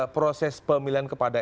proses pemilihan kepada